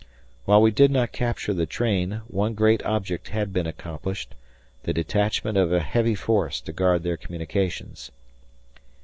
While we did not capture the train, one great object had been accomplished the detachment of a heavy force to guard their communications.